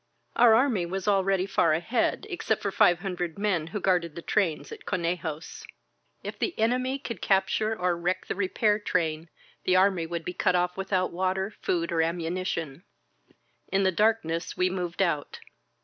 Our army was already far ahead, except for five hundred men who guarded the trains at Conejos. If the enemy could capture or wreck the re 191 INSURGENT MEXICO pair train the army would be cut off without water, food or ammimitioii. In the darkness we moved out.